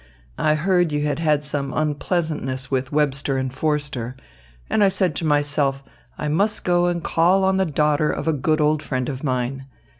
I heard you had had some unpleasantness with Webster and Forster, and I said to myself, I must go and call on the daughter of a good old friend of mine.